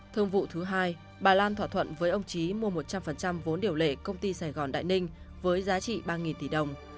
thương vụ thứ hai bà lan thỏa thuận với ông trí mua một trăm linh vốn điều lệ công ty sài gòn đại ninh với giá trị ba tỷ đồng